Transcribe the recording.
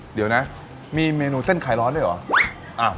เดี๋ยวนะมีเมนูเส้นขายร้อนด้วยเหรอ